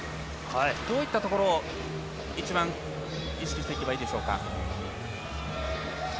どういったところを一番、意識していけばいいでしょうか？